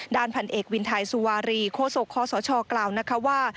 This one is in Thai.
ด้านพันเอกวินไทยสุวารีโคศกคศกล่าวนะคะว่า